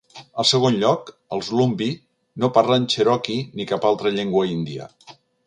En segon lloc, els Lumbee no parlen cherokee ni cap altra llengua índia.